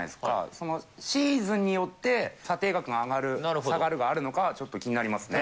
そのシーズンによって査定額が上がる、下がるがあるのかはちょっと気になりますね。